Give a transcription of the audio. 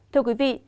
thưa quý vị